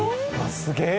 すげえ！